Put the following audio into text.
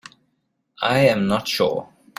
I am not sure.